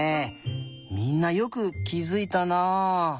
みんなよくきづいたな。